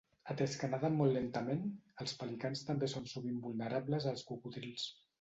Atès que naden molt lentament, els pelicans també són sovint vulnerables als cocodrils.